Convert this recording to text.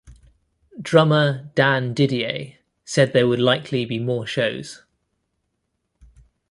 Drummer Dan Didier said that there would likely be more shows.